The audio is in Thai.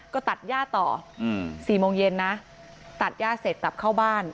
ก็ตัดย่าต่อ๔โมงเย็นนะตัดย่าเสร็จกลับเข้าบ้าน